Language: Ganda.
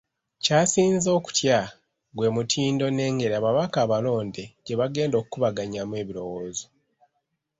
Ky’asinze okutya gwe mutindo n’engeri ababaka abalonde gye bagenda okubaganyaamu ebirowoozo.